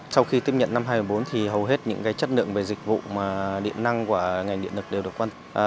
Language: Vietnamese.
sau khi tiếp nhận năm hai nghìn một mươi bốn thì hầu hết những chất lượng về dịch vụ điện năng của ngành điện lực đều được quan tâm